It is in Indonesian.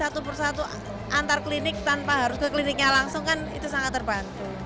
jadi satu persatu antar klinik tanpa harus ke kliniknya langsung kan itu sangat terbantu